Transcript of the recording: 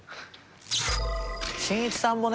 しんいちさんもね